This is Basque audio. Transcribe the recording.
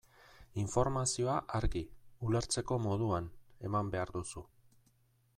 Informazioa argi, ulertzeko moduan, eman behar duzu.